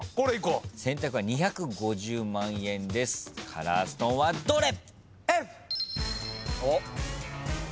カラーストーンはどれ？